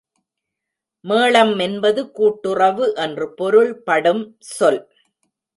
மேளம் என்பது கூட்டுறவு என்று பொருள்படும் சொல்.